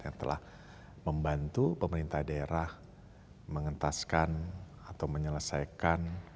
yang telah membantu pemerintah daerah mengentaskan atau menyelesaikan